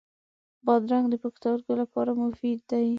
بادرنګ د پښتورګو لپاره مفید دی.